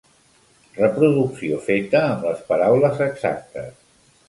Reproducció feta amb les paraules exactes.